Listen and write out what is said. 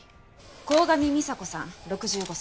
鴻上美沙子さん６５歳。